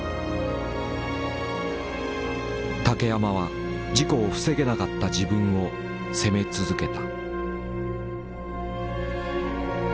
竹山は事故を防げなかった自分を責め続けた。